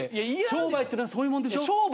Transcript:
商売ってのはそういうもんでしょ？